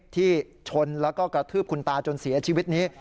ที่ชนแล้วก็กระทืบคุณตาจนเสียชีวิตนี้